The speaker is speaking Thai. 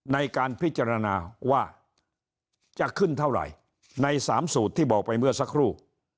ในการพิจารณาว่าจะขึ้นเท่าไหร่ใน๓สูตรที่บอกไปเมื่อสักครู่